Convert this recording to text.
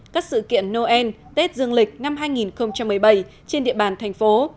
các sự kiện noel tết dương lịch năm hai nghìn một mươi bảy trên địa bàn thành phố